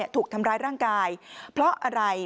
ถูกทำร้ายร่างกายเพราะอะไร